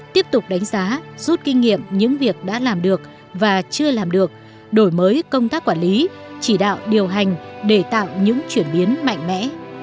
tiếp tục đánh giá rút kinh nghiệm những việc đã làm được và chưa làm được đổi mới công tác quản lý chỉ đạo điều hành để tạo những chuyển biến mạnh mẽ